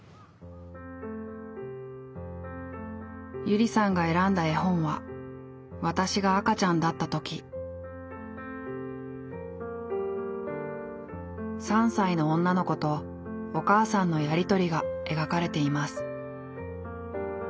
ゆりさんが選んだ絵本は３歳の女の子とお母さんのやりとりが描かれています。